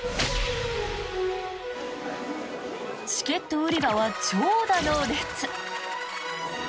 チケット売り場は長蛇の列。